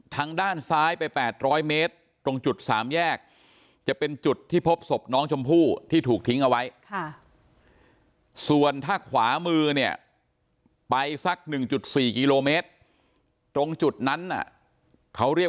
ทางด้านซ้ายไป๘๐๐เมตรตรงจุด๓แยกจะเป็นจุดที่พบศพน้องชมพู่ที่ถูกทิ้งเอาไว้ส่วนถ้าขวามือเนี่ยไปสัก๑๔กิโลเมตรตรงจุดนั้นเขาเรียก